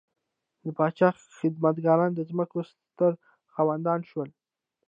د پاچا خدمتګاران د ځمکو ستر خاوندان شول.